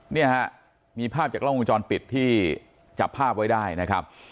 เนี่ยฮะมีภาพจากกล้องวงจรปิดที่จับภาพไว้ได้นะครับ